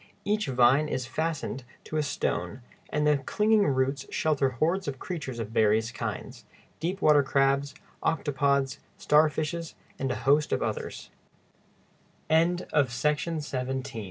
] Each vine is fastened to a stone, and the clinging roots shelter hordes of creatures of various kinds—deep water crabs, octopods, starfishes, and a host